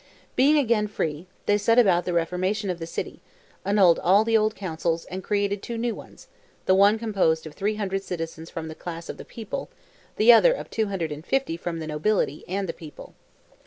Being again free, they set about the reformation of the city, annulled all the old councils, and created two new ones, the one composed of 300 citizens from the class of the people, the other of 250 from the nobility and the people.